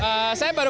saya baru pertanyaan